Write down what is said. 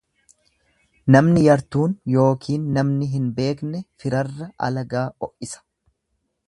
Namni yartuun yookiin namni hin beekne firarra alagaa o'isa.